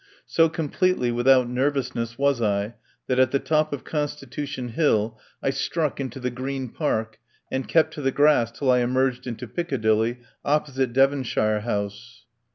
So completely without nervousness was I that at the top of Constitution Hill I struck into the Green Park and kept to the grass till I emerged into Piccadilly, opposite Devonshire House.